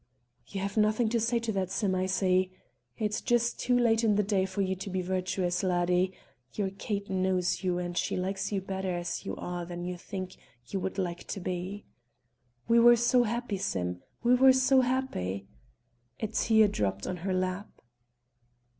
"You have nothing to say to that, Sim, I see. It's just too late in the day for you to be virtuous, laddie; your Kate knows you and she likes you better as you are than as you think you would like to be. We were so happy, Sim, we were so happy!" A tear dropped on her lap.